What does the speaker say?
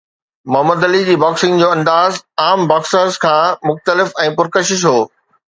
Muhammad Ali جي boxing جو انداز عام باڪسرز کان مختلف ۽ پرڪشش هو